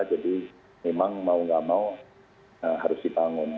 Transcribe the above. jadi memang mau nggak mau harus dibangun